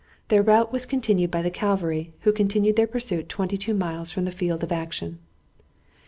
Their rout was continued by the cavalry, who continued their pursuit twenty two miles from the field of action.